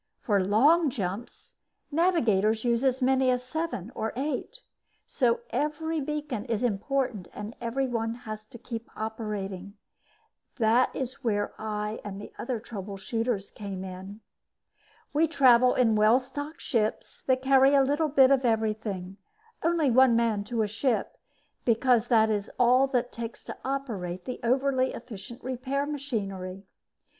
For long jumps, navigators use as many as seven or eight. So every beacon is important and every one has to keep operating. That is where I and the other trouble shooters came in. We travel in well stocked ships that carry a little bit of everything; only one man to a ship because that is all it takes to operate the overly efficient repair machinery.